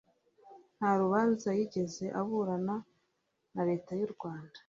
nta rubanza yigeze aburana na Leta y’u Rwanda